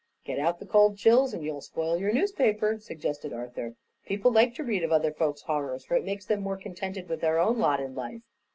"Cut out the cold chills and you'll spoil your newspaper," suggested Arthur. "People like to read of other folks' horrors, for it makes them more contented with their own lot in life."